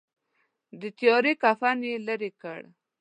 د تیارې کفن یې لیري کړ.